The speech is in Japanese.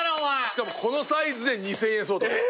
しかもこのサイズで２，０００円相当です。